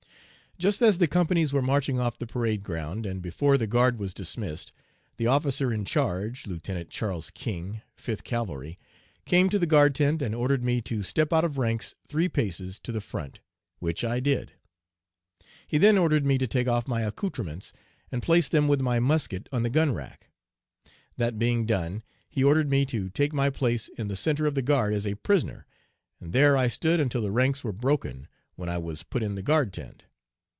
"Just as the companies were marching off the parade ground, and before the guard was dismissed, the 'officer in charge,' Lieutenant Charles King, Fifth Cavalry, came to the guard tent and ordered me to step out of ranks three paces to the front, which I did. "He then ordered me to take off my accoutrements and place them with my musket on the gun rack. That being done, he ordered me to take my place in the centre of the guard as a prisoner, and there I stood until the ranks were broken, when I was put in the guard tent.